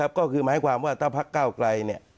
แล้วก็คือหมายความว่าถ้าพักเก้าไกลเนี่ย